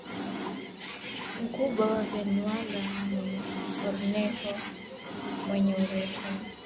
mkubwa wa Venezuela ni Orinoco wenye urefu